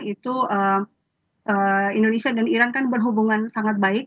itu indonesia dan iran kan berhubungan sangat baik